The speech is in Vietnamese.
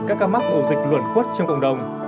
các ca mắc ổ dịch luẩn khuất trong cộng đồng